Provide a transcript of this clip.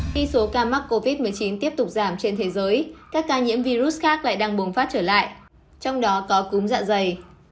khi số ca mắc covid một mươi chín tiếp tục giảm trên thế giới các ca nhiễm virus khác lại đang bùng phát trở lại trong đó có cúm dạ dày